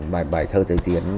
bài bài thơ tây tiến